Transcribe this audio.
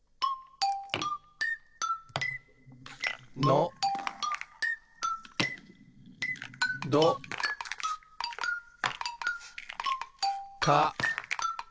のどか。